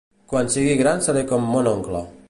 Quan sigui gran seré com mon oncle.